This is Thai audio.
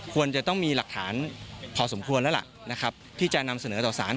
ควรจะต้องมีหลักฐานพอสมควรแล้วล่ะนะครับที่จะนำเสนอต่อสาร